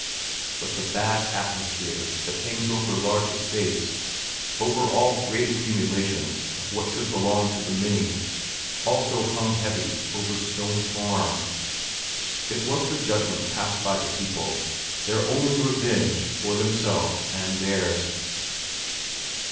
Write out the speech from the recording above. But the bad atmosphere that hangs over large estates—over all great accumulations of what should belong to the many—also hung heavy over Stone Farm. It was the judgment passed by the people, their only revenge for themselves and theirs.